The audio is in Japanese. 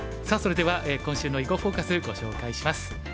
さあそれでは今週の「囲碁フォーカス」ご紹介します。